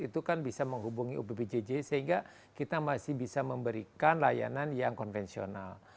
itu kan bisa menghubungi ubpjj sehingga kita masih bisa memberikan layanan yang konvensional